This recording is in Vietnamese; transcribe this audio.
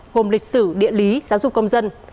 gồm lịch sử địa lý giáo dục công dân